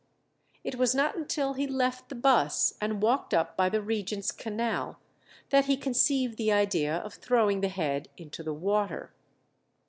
It was not until he left the 'bus, and walked up by the Regent's Canal, that he conceived the idea of throwing the head into the water.